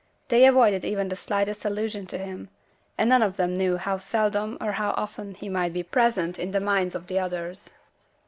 They avoided even the slightest allusion to him; and none of them knew how seldom or how often he might be present in the minds of the others.